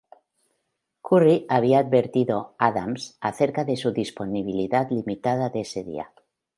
Curry había advertido Adams acerca de su disponibilidad limitada de ese día.